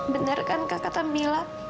bener kan kak kata mila